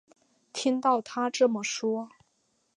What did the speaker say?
听到她这么说